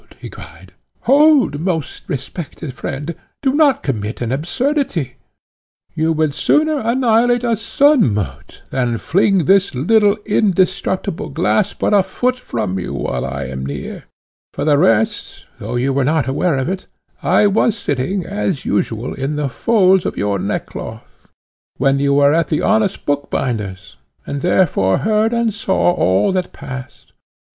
he cried; "hold, most respected friend; do not commit an absurdity. You would sooner annihilate a sun moat than fling this little indestructible glass but a foot from you, while I am near. For the rest, though you were not aware of it, I was sitting, as usual, in the folds of your neckcloth, when you were at the honest bookbinder's, and therefore heard and saw all that passed.